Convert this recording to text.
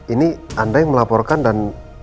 ini anda yang melaporkan dan